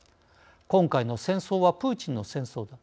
「今回の戦争はプーチンの戦争だ。